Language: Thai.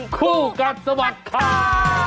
คู่กัดสวัสดิ์ข่าว